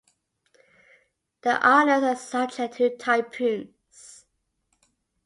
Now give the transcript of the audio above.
The islands are subject to typhoons.